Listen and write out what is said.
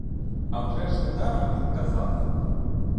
А вже ж недаром він казав.